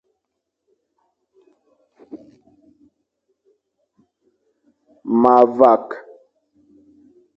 Ma vak.